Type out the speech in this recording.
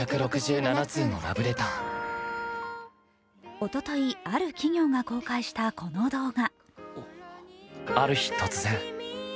おととい、ある企業が公開したこの動画。